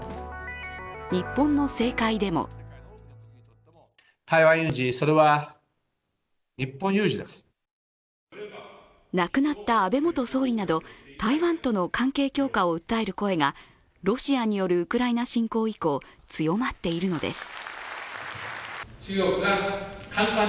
日本の政界でも亡くなった安倍元総理など台湾との関係強化を訴える声がロシアによるウクライナ侵攻以降、強まっているのです。